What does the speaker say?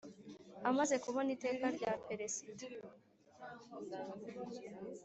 Amaze kubona iteka rya peresida